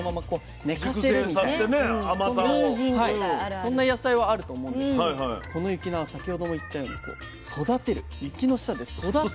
そんな野菜はあると思うんですけどこの雪菜は先ほども言ったように雪の下で育てるという珍しい。